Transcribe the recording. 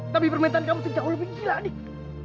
tapi permintaan kamu sih jauh lebih gila dik